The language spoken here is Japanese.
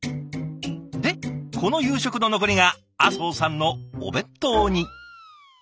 でこの夕食の残りが阿相さんのお弁当に。